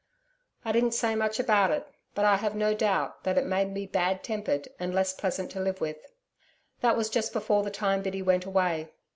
I didn't say much about it, but I have no doubt that it made me bad tempered and less pleasant to live with.... That was just before the time Biddy went away.